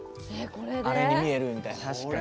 あれに見えるみたいな。